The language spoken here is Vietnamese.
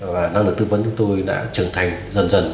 và năng lực tư vấn của tôi đã trở thành dần dần